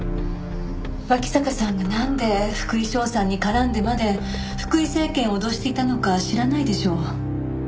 脇坂さんがなんで福井翔さんに絡んでまで福井精研を脅していたのか知らないでしょう？